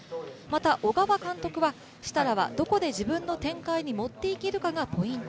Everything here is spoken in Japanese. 小川監督は設楽はどこで自分の展開に持っていくかがポイント。